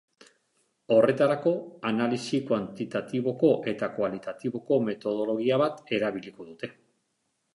Horretarako, analisi kuantitatiboko eta kualitatiboko metodologia bat erabiliko dute.